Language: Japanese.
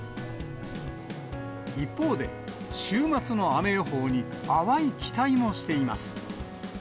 一方で、週末の雨予報に淡い期待もしています。